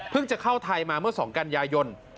เพิ่งจะเข้าไทยมาเมื่อสองกันยายน